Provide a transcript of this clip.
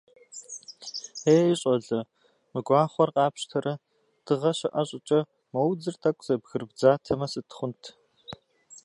Е, щӏалэ, мы гуахъуэр къапщтэрэ, дыгъэ щыӏэ щӏыкӏэ, мо удзыр тӏэкӏу зэбгырыбдзатэмэ сыт хъунт?